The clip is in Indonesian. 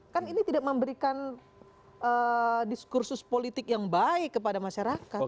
kan ini tidak memberikan diskursus politik yang baik kepada masyarakat